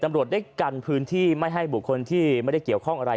ตำรวจได้กันพื้นที่ไม่ให้บุคคลที่ไม่ได้เกี่ยวข้องอะไร